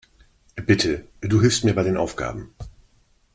Bitte, du hilfst mir bei den Aufgaben.